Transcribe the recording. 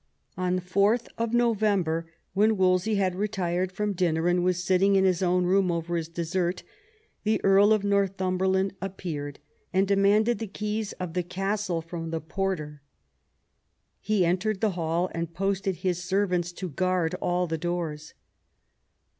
On 4th November, when Wolsey had retired from dinner and was sitting in his own room over his dessert, the Earl of Northumberland appeared, and demanded the keys of the castle from the porter. He entered the hall, and posted his servants to guard all the doors.